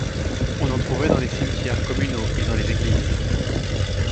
On en trouvait dans les cimetières communaux et dans les églises.